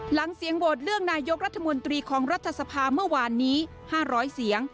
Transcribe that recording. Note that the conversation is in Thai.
หลังเสียงโหวตเลือกนายกรัฐมนตรีของรัฐสภาเมื่อวานนี้๕๐๐เสียง